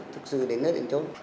thật sự đến nơi đến chỗ